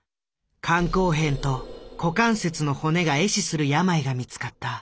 肝硬変と股関節の骨が壊死する病が見つかった。